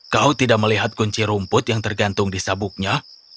kau tidak melihat kunci rumput yang tergantung di sabuknya